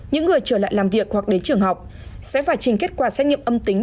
những người trở lại làm việc hoặc đến trường học sẽ phải trình kết quả xét nghiệm âm tính